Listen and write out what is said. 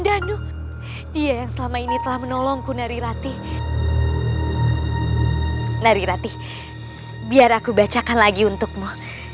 danu dia yang selama ini telah menolongku narirati narirati biar aku bacakan lagi untukmu